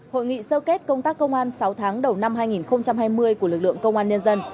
hội nghị sơ kết công tác công an sáu tháng đầu năm hai nghìn hai mươi của lực lượng công an nhân dân